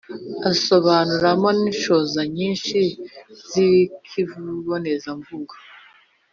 asobanuramo n’inshoza nyinshi z’ikibonezamvugo